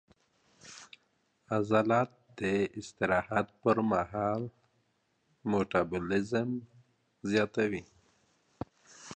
عضلات د استراحت پر مهال میټابولیزم زیاتوي.